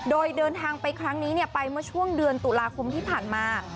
โดยเดินทางไปครั้งนี้ไปเมื่อช่วงเดือนตุลาคมที่ผ่านมา